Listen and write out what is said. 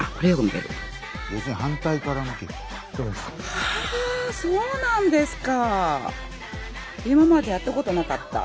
はあそうなんですか。